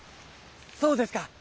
そうですか。